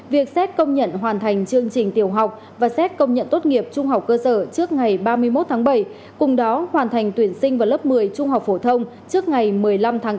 việc xét công nhận hoàn thành chương trình tiểu học và xét công nhận tốt nghiệp trung học cơ sở trước ngày ba mươi một tháng bảy cùng đó hoàn thành tuyển sinh vào lớp một mươi trung học phổ thông trước ngày một mươi năm tháng tám